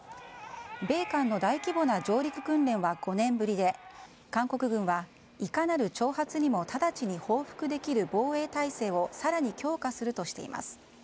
米韓の大規模な上陸訓練は５年ぶりで韓国軍はいかなる挑発にもただちに報復できる防衛体制を更に強化するとしています。